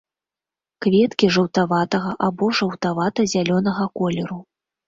Кветкі жаўтаватага або жаўтавата-зялёнага колеру.